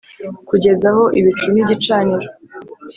kugeza aho ibicu n’igicaniro